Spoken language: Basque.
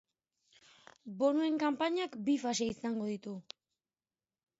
Bonuen kanpainak bi fase izango ditu.